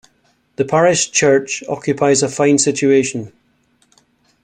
The parish church occupies a fine situation.